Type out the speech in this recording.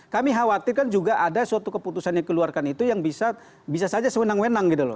kami khawatirkan juga ada suatu keputusan yang dikeluarkan itu yang bisa saja sewenang wenang gitu loh